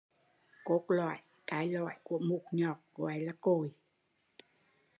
Cốt lỏi, cái lõi của mụt nhọt gọi là “Cồi”